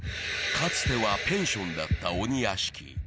かつてはペンションだった鬼屋敷。